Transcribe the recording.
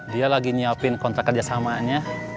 dia lagi nyiapin kontrak kerjasamanya